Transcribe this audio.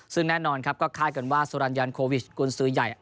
ซึ่งแน่นอนครับก็คาดกันว่าสุรรณยันโควิชกุญสือใหญ่